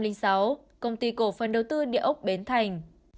năm hai nghìn sáu công ty cổ phân đầu tư địa úc bến thành